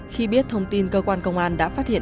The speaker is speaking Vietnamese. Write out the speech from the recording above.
khi biết thông tin cơ quan công an đã phát hiện